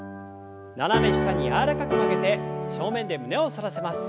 斜め下に柔らかく曲げて正面で胸を反らせます。